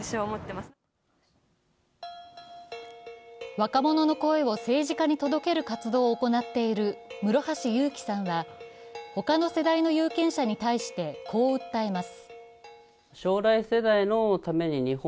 若者の声を政治家に届ける活動を行っている室橋祐貴さんは他の世代の有権者に対して、こう訴えます。